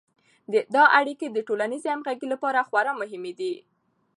دا اړیکې د ټولنیز همغږي لپاره خورا مهمې دي.